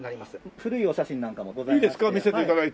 古いお写真なんかもございまして。